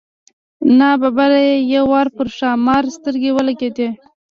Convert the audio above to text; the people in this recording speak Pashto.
نا ببره یې یو وار پر ښامار سترګې ولګېدې.